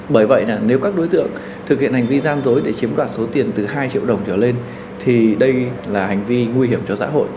bởi vậy là nếu các đối tượng thực hiện hành vi gian dối để chiếm đoạt số tiền từ hai triệu đồng trở lên thì đây là hành vi nguy hiểm cho xã hội